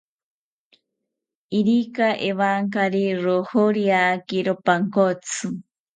Irika ewankari rojoriakiro pankotsi